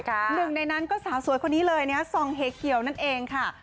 หนึ่งในนั้นก็สาวสวยคนนี้เลยนะซองเฮเขียวนั่นเองค่ะ